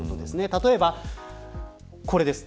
例えば、これです。